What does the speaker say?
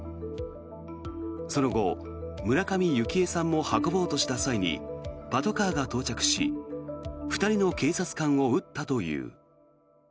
その後村上幸枝さんも運ぼうとした際にパトカーが到着し２人の警察官を撃ったという。